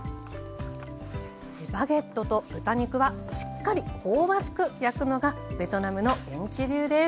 バゲットと豚肉はしっかり香ばしく焼くのがベトナムの現地流です。